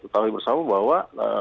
tahu bersama bahwa